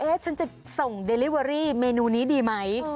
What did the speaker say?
ฉันจะส่งเดลิเวอรี่เมนูนี้ดีไหม